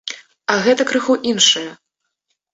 А гэта крыху іншае.